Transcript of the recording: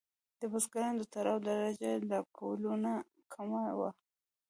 د بزګرانو د تړاو درجه له کولونو کمه وه.